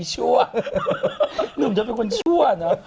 หนุ่มจะเป็นคนชั่วนะ